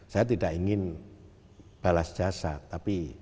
saya tidak ingin balas jasa